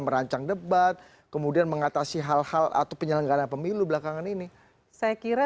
merancang debat kemudian mengatasi hal hal atau penyelenggara pemilu belakangan ini saya kira